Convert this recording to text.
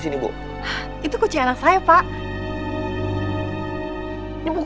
nah ini kucingnya bu